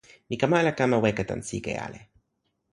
mi kama ala kama weka tan sike ale.